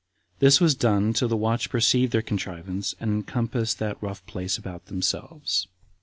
This was done till the watch perceived their contrivance, and encompassed that rough place about themselves.